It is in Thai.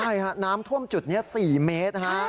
ใช่ค่ะน้ำท่วมจุดนี้๔เมตรนะครับ